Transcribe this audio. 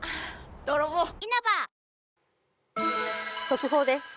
速報です。